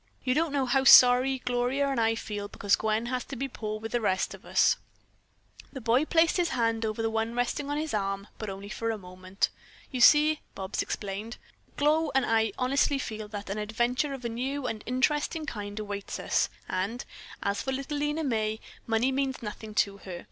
You don't know how sorry Gloria and I feel because Gwen has to be poor with the rest of us." The boy had placed his hand over the one resting on his arm, but only for a moment. "You see," Bobs explained, "Glow and I honestly feel that an adventure of a new and interesting kind awaits us, and, as for little Lena May, money means nothing to her.